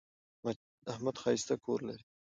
احمد ښایسته کور لري.